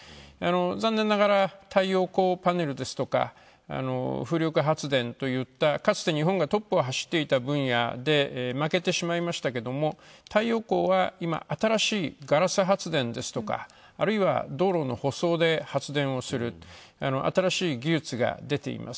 残念ながら太陽光パネルですとか風力発電といった、かつて日本がトップを走っていた分野で負けてしまいましたけども太陽光は今、新しいガラス発電ですとかあるいは道路の舗装で発電をする、新しい技術が出ています。